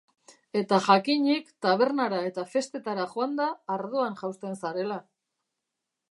Eta jakinik tabernara eta festetara joanda ardoan jausten zarela.